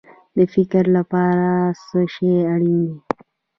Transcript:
د فکر لپاره څه شی اړین دی؟